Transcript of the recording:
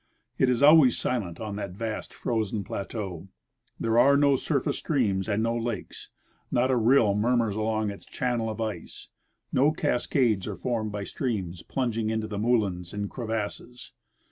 It is always silent on that vast frozen l^lateau. There are no surface streams and no lakes ; not a rill murmurs along its channel of ice ; no cascades are formed by streams plunging into moulins and crevasses.